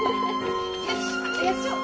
よしやっちゃおう！